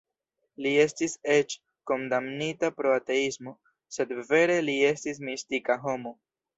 Li estis eĉ "kondamnita pro ateismo", sed vere li estis mistika homo.